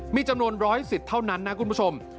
มีจำนวน๑สิทธิ์เท่านั้นนะคุณผู้ชม